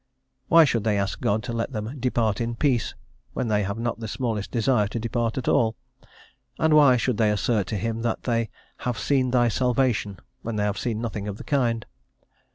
Why should they ask God to let them "depart in peace," when they have not the smallest desire to depart at all, and why should they assert to Him that they "have seen Thy salvation," when they have seen nothing of the kind?